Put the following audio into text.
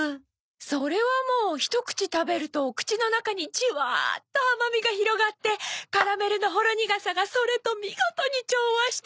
それはもうひと口食べるとお口の中にジワッと甘みが広がってカラメルのほろ苦さがそれと見事に調和して。